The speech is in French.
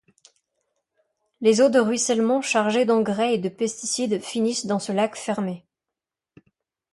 Les eaux de ruissellement chargées d'engrais et de pesticides finissent dans ce lac fermé.